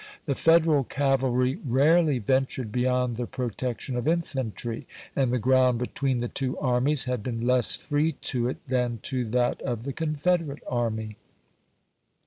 The Federal cavalry rarely ventured beyond the Johnston, protection of infantry, and the ground between ofmrnaJv the two armies had been less free to it than to that tionK s*. of the Confederate army."